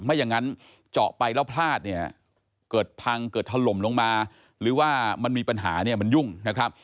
ไม่อย่างนั้นเจาะไปแล้วพลาดเนี่ยเกิดพังเกิดถล่มลงมาหรือว่ามันมีปัญหาเนี่ยมันยุ่งนะครับ